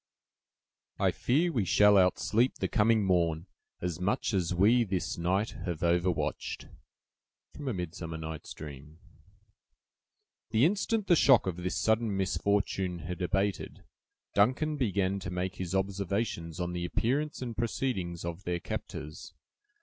"I fear we shall outsleep the coming morn As much as we this night have overwatched!" —Midsummer Night's Dream The instant the shock of this sudden misfortune had abated, Duncan began to make his observations on the appearance and proceedings of their captors.